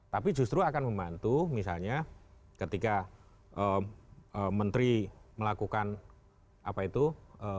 tapi justru akan membantu misalnya ketika menteri melakukan apa itu